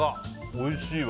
おいしいわ。